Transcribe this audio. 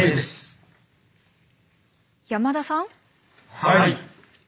はい。